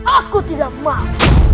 aku tidak mau